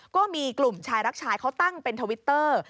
ก็มีกลุ่มชายรักชายเขาตั้งเป็นทวิตเตอร์